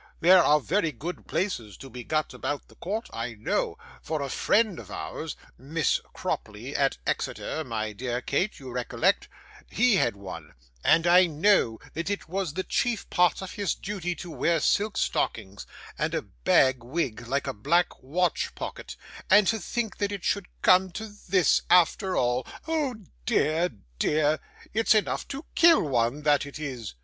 There are very good places to be got about the court, I know; for a friend of ours (Miss Cropley, at Exeter, my dear Kate, you recollect), he had one, and I know that it was the chief part of his duty to wear silk stockings, and a bag wig like a black watch pocket; and to think that it should come to this after all oh, dear, dear, it's enough to kill one, that it is!